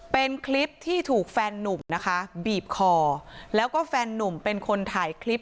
เป็นคลิปที่ถูกแฟนนุ่มนะคะบีบคอแล้วก็แฟนนุ่มเป็นคนถ่ายคลิป